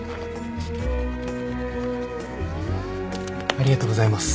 ありがとうございます。